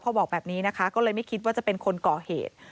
บอกแบบนี้นะคะก็เลยไม่คิดว่าจะเป็นคนก่อเหตุ